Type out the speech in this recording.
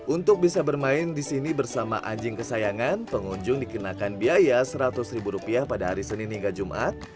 untuk bisa bermain di sini bersama anjing kesayangan pengunjung dikenakan biaya seratus ribu rupiah pada hari senin hingga jumat